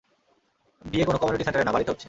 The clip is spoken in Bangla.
বিয়ে কোনো কমিউনিটি সেন্টারে না, বাড়ীতে হচ্ছে।